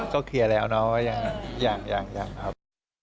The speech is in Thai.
ก็เคลียร์แล้วเนาะว่ายังครับ